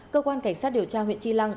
cơ quan cảnh sát điều tra huyện chi lăng